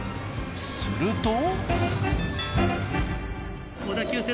すると。